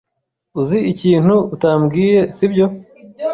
Uzi ikintu utambwiye, sibyo?